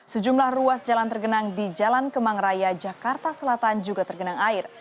sejumlah ruas jalan tergenang di jalan kemang raya jakarta selatan juga tergenang air